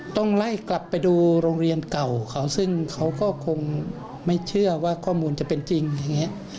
ต้องไล่กลับไปดูโรงเรียนเก่าเขาซึ่งเขาก็คงไม่เชื่อว่าข้อมูลจะเป็นจริงอย่างนี้